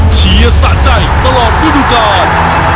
เชียร์สะใจตลอดฤดูกาล